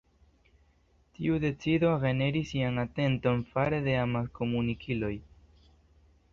Tiu decido generis ian atenton fare de amaskomunikiloj.